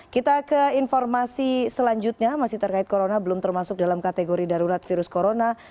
kita ke informasi selanjutnya masih terkait corona belum termasuk dalam kategori darurat virus corona